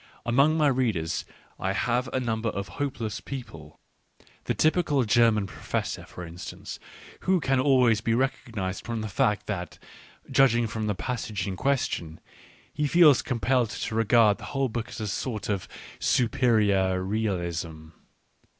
Among my readers I have a number of hopeless people, the typical German professor for instance, who can always be recognised from the fact that, judging from the passage in question, he feels compelled to regard the whole book as a sort of superior R^ealism.